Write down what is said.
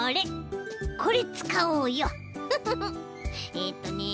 えっとね